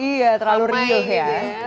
iya terlalu riuh ya